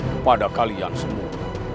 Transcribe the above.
kepala kalian semua